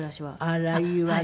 あらいいわね。